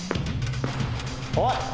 おい！